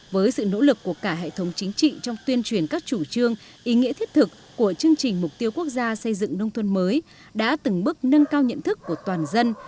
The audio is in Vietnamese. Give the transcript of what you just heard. với sự nỗ lực của cả hệ thống chính trị trong tuyên truyền các chủ trương ý nghĩa thiết thực của chương trình mục tiêu quốc gia xây dựng nông thôn mới đã từng bước nâng cao nhận thức của toàn dân